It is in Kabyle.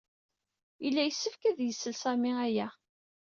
Yella yessefk ad isel Sami aya.